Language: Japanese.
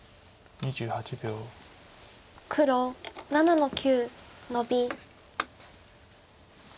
黒７の九ノビ。